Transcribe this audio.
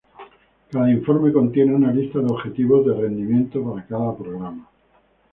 Cada informe contiene una lista de objetivos de rendimiento para cada programa.